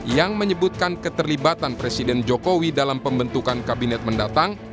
yang menyebutkan keterlibatan presiden jokowi dalam pembentukan kabinet mendatang